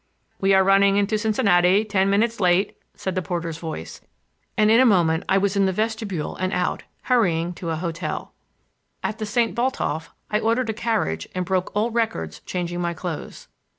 "We're running into Cincinnati—ten minutes late," said the porter's voice; and in a moment I was in the vestibule and out, hurrying to a hotel. At the St. Botolph I ordered a carriage and broke all records changing my clothes.